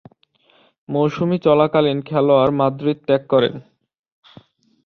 মৌসুম চলাকালীন খেলোয়াড় মাদ্রিদ ত্যাগ করেন